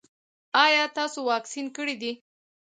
ایا تاسو واکسین کړی دی؟